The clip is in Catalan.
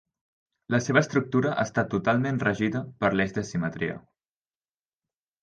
La seva estructura està totalment regida per l'eix de simetria.